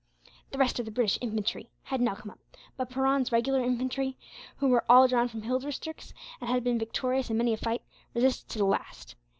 The rest of the British infantry had now come up; but Perron's regular infantry, who were all drawn from hill districts, and had been victorious in many a fight, resisted to the last.